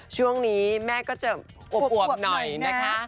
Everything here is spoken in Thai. ช่วงนี้แม่ก็จะอวบหน่อยนะคะ